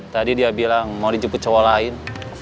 tadi dia bilang mau dijemput cowok lain